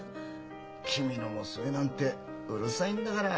君の娘なんてうるさいんだから。